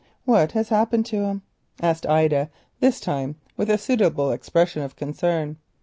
"What has happened to him?" asked Ida, this time with a suitable expression of concern.